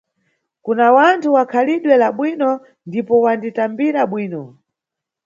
Kuna wanthu wa khalidwe la bwino ndipo wanditambira bwino.